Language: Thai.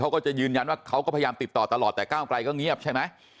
เขาก็จะยืนยันว่าเขาก็พยายามติดต่อตลอดแต่ก้าวไกลก็เงียบใช่ไหม